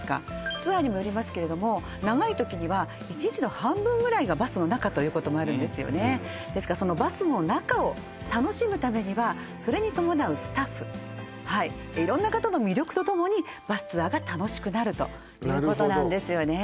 ツアーにもよりますけれども長い時には１日の半分ぐらいがバスの中ということもあるんですよねですからそのバスの中を楽しむためにはそれに伴うスタッフはい色んな方の魅力と共にバスツアーが楽しくなるとなるほどいうことなんですよね